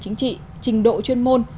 chính trị trình độ chuyên môn